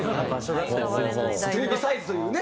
テレビサイズというね。